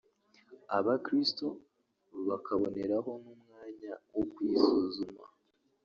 abakristo bakaboneraho n’umwanya wo kwisuzuma